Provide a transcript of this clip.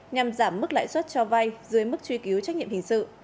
nhằm giảm mức lãi suất cho vay dưới mức truy cứu trách nhiệm hình sự